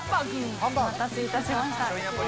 お待たせいたしました。